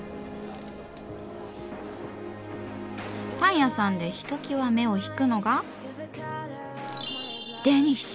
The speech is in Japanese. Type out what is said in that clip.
パン屋さんでひときわ目を引くのがデニッシュ！